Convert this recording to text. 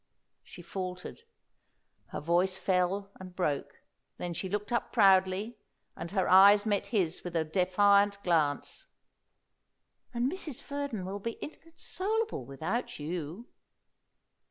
She faltered; her voice fell and broke. Then she looked up proudly, and her eyes met his with a defiant glance. "And Mrs. Verdon will be inconsolable without you."